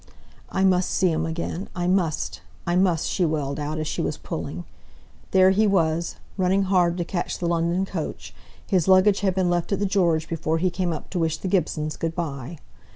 "I must see him again; I must! I must!" she wailed out, as she was pulling. There he was, running hard to catch the London coach; his luggage had been left at the George before he came up to wish the Gibsons good by.